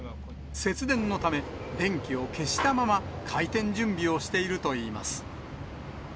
節電のため、電気を消したまま開店準備をしているといいます。